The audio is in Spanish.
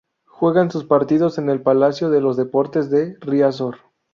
Juegan sus partidos en el Palacio de los Deportes de Riazor.